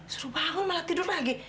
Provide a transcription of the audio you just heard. seru bangun malah tidur lagi